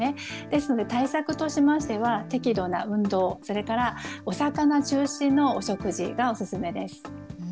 ですので、対策としましては、適度な運動、それからお魚中心のお食事がお勧めです。